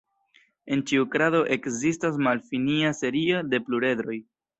En ĉiu krado ekzistas malfinia serio de pluredroj.